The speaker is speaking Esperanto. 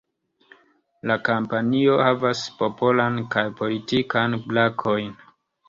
La kampanjo havas Popolan kaj Politikan brakojn.